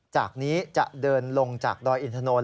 จากนี้จะเดินลงจากดอยอินทนนท